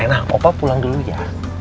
nah opa pulang dulu ya